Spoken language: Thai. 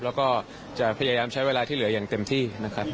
แล้วก็จะพยายามใช้เวลาที่เหลืออย่างเต็มที่นะครับ